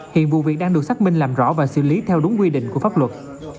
hiện vụ việc đang được xác minh làm rõ và xử lý theo đúng quy định của pháp luật